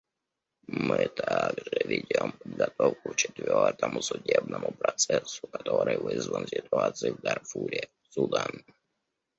Мы также ведем подготовку к четвертому судебному процессу, который вызван ситуацией в Дарфуре, Судан.